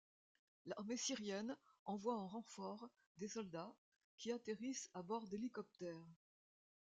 L'armée syrienne envoie en renfort des soldats qui atterrissent à bord d'hélicoptères.